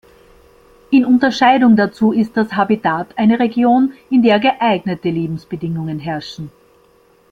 In Unterscheidung dazu ist das Habitat eine Region, in der geeignete Lebensbedingungen herrschen.